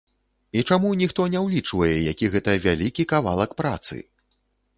І чаму ніхто не ўлічвае, які гэта вялікі кавалак працы?